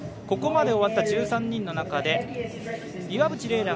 ここまで終わった１３人の中で岩渕麗